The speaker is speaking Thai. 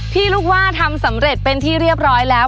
ลูกว่าทำสำเร็จเป็นที่เรียบร้อยแล้ว